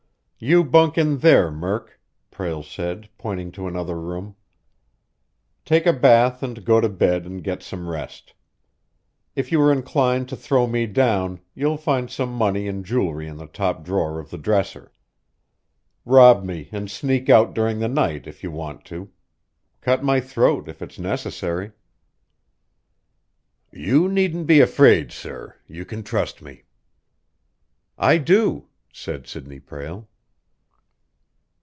"You bunk in there, Murk," Prale said, pointing to another room. "Take a bath and go to bed and get some rest. If you are inclined to throw me down, you'll find some money and jewelry in the top drawer of the dresser. Rob me and sneak out during the night, if you want to. Cut my throat, if it's necessary." "You needn't be afraid, sir you can trust me!" "I do!" said Sidney Prale.